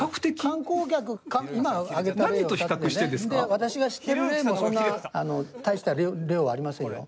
私が知ってる例もそんな大した例はありませんよ。